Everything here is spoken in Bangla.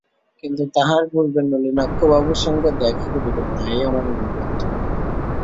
কিন্তু তাহার পূর্বে নলিনাক্ষবাবুর সঙ্গে দেখা করিবেন না, এই আমার অনুরোধ।